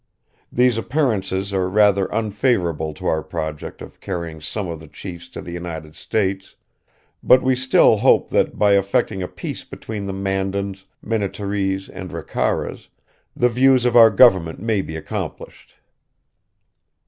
These appearances are rather unfavorable to our project of carrying some of the chiefs to the United States; but we still hope that, by effecting a peace between the Mandans, Minnetarees, and Ricaras, the views of our government may be accomplished."